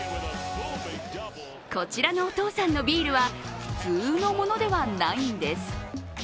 こちらのお父さんのビールは普通のものではないんです。